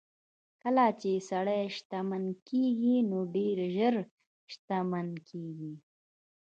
کله چې سړی شتمن کېږي نو ډېر ژر شتمن کېږي.